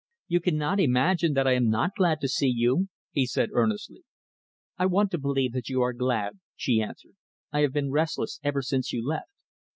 "You cannot imagine that I am not glad to see you," he said earnestly. "I want to believe that you are glad," she answered. "I have been restless ever since you left.